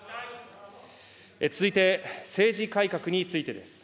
続いて政治改革についてです。